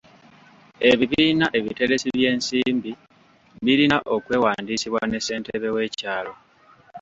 Ebibiina ebiteresi by'ensimbi birina okwewandiisibwa ne ssentebe w'ekyalo.